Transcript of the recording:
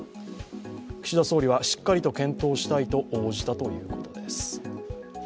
岸田総理はしっかりと検討したいと応じたということです。